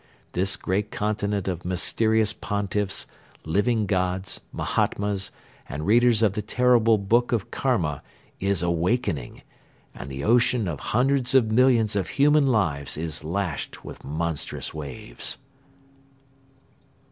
This great continent of mysterious Pontiffs, Living Gods, Mahatmas and readers of the terrible book of Karma is awakening and the ocean of hundreds of millions of human lives is lashed with monstrous waves.